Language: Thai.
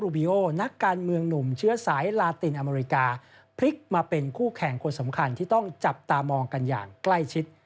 เป็นอย่างใกล้ชิด